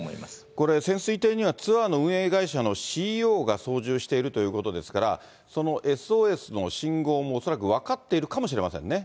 これ、潜水艇には、ツアーの運営会社のＣＥＯが操縦しているということですから、そのＳＯＳの信号も、恐らく分かっているかもしれませんね。